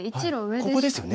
ここですよね。